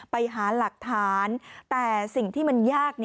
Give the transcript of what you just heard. ไปหาหลักฐานแต่สิ่งที่มันยาก